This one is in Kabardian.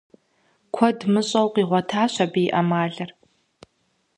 Куэд мыщӏэу къигъуэтащ абы и ӏэмалыр.